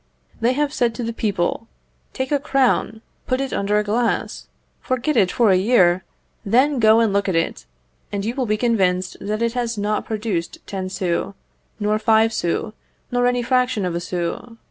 They have said to the people: "Take a crown, put it under a glass; forget it for a year; then go and look at it, and you will be convinced that it has not produced ten sous, nor five sous, nor any fraction of a sou.